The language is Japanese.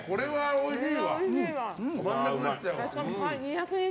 おいしい！